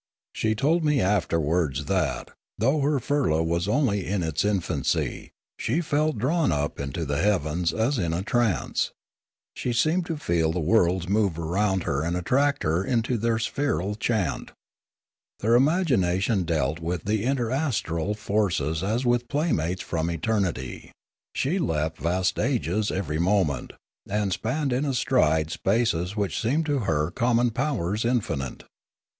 She told me afterwards that, though her firla was only in its infancy, she felt drawn up into the heavens as in a trance; she seemed to feel the worlds move around her and attract her into their spheral chant; her imagina tion dealt with interastral forces as with playmates from eternity; she leapt vast ages every moment, and spanned in a stride spaces which seemed to her com mon powers infinite.